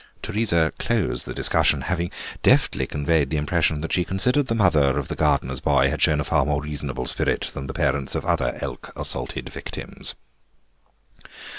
Teresa closed the discussion, having deftly conveyed the impression that she considered the mother of the gardener's boy had shown a far more reasonable spirit than the parents of other elk assaulted victims.